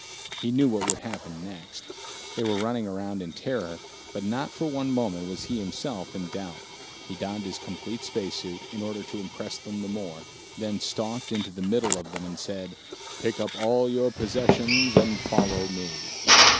He knew what would happen next. They were running around in terror, but not for one moment was he himself in doubt. He donned his complete space suit, in order to impress them the more, then stalked into the middle of them, and said, "Pick up all your possessions and follow me."